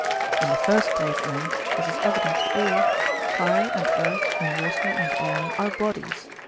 In the first place, then, as is evident to all, fire and earth and water and air are bodies.